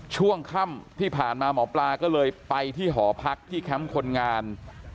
ช่วงค่ำที่ผ่านมาหมอปลาก็เลยไปที่หอพักที่แคมป์คนงาน